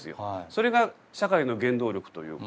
それが社会の原動力というか。